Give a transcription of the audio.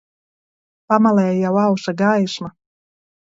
Pamalē jau ausa gaisma